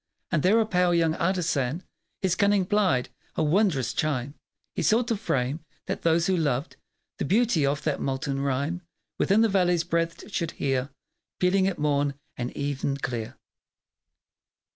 And there a pale young artisan His cunning plied; a wondrous chime He sought to frame, that those who loved The beauty of that molten rhyme Within the valley's breadth should hear Pealing at morn and even clear.